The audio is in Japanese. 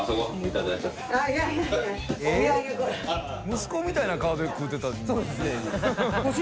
息子みたいな顔で食うてた今。